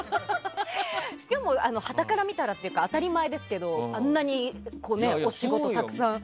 でも、はたから見たらというか当たり前ですけどあんなにお仕事をたくさん。